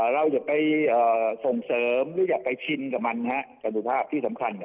เราจะไปส่งเสริมหรืออยากไปชินกับมันนะครับความสุขภาพที่สำคัญ